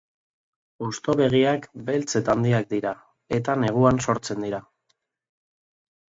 Hosto-begiak beltz eta handiak dira, eta neguan sortzen dira.